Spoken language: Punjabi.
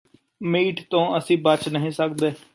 ਮੀਟ ਤੋਂ ਅਸੀਂ ਬੱਚ ਹੀ ਨਹੀਂ ਸਕਦੇ